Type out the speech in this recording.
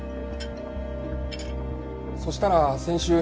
そしたら先週。